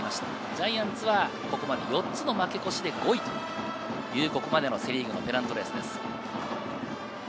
ジャイアンツはここまで４つの負け越しで５位というここまでのセ・リーグのペナントレースです。